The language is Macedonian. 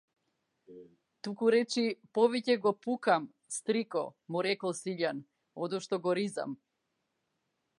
Тукуречи повеќе го пукам, стрико, му рекол Силјан, одошто го ризам.